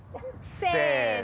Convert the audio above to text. せの！